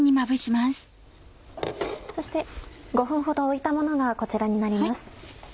そして５分ほどおいたものがこちらになります。